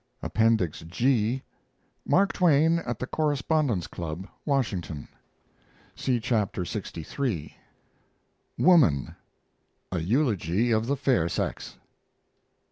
APPENDIX G MARK TWAIN AT THE CORRESPONDENTS CLUB, WASHINGTON (See Chapter lxiii) WOMAN A EULOGY OF THE FAIR SEX.